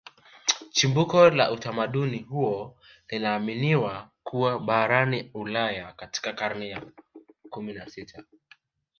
Chimbuko la utamaduni huo linaaminiwa kuwa barani Ulaya katika karne ya kumi na sita